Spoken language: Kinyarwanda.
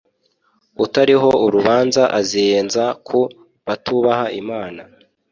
utariho urubanza aziyenza ku batubaha Imana